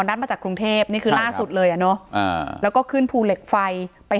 นัดมาจากกรุงเทพนี่คือล่าสุดเลยอ่ะเนอะแล้วก็ขึ้นภูเหล็กไฟไป